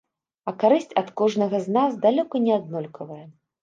А карысць ад кожнага з нас далёка не аднолькавая.